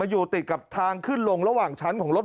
อยู่ติดกับทางขึ้นลงระหว่างชั้นของรถ